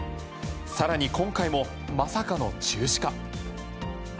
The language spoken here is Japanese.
更に今回も、まさかの中止か。